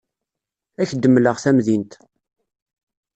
Ad ak-d-mleɣ tamdint.